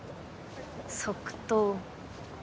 即答。